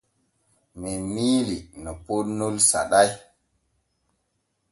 Men miilii no poonnol saɗay.